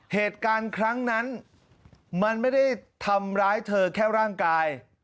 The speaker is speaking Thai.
เหตุการณ์ครั้งนั้นมันไม่ได้ทำร้ายเธอแค่ร่างกาย